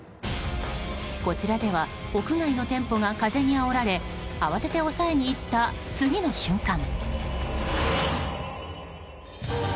こちらでは屋外の店舗が風にあおられ慌てて押さえにいった次の瞬間。